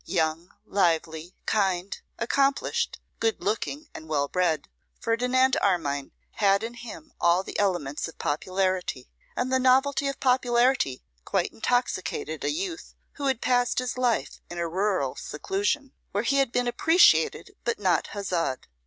Young, lively, kind, accomplished, good looking, and well bred, Ferdinand Armine had in him all the elements of popularity; and the novelty of popularity quite intoxicated a youth who had passed his life in a rural seclusion, where he had been appreciated, but not huzzaed.